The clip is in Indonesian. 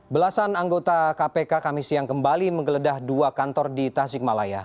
belasan anggota kpk kami siang kembali menggeledah dua kantor di tasikmalaya